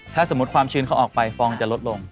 ถ้าสมมุติความชื้นเขาออกไปฟองจะลดลง